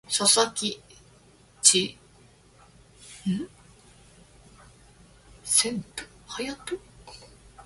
佐々木千隼